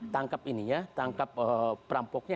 tangkap ini ya tangkap perampoknya